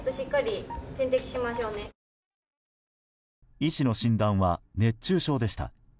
医師の診断は熱中症でした。